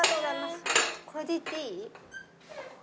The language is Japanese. これでいっていい？